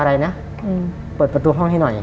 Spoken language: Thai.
อะไรนะเปิดประตูห้องให้หน่อย